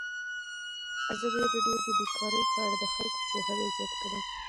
ازادي راډیو د بیکاري په اړه د خلکو پوهاوی زیات کړی.